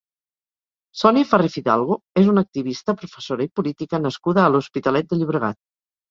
Sònia Farré Fidalgo és una activista, professora i política nascuda a l'Hospitalet de Llobregat.